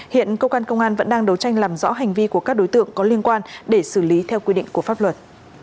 hiện cơ quan công an vẫn đang đấu tranh làm rõ hành vi của các đối tượng có liên quan để xử lý theo quy định của pháp luật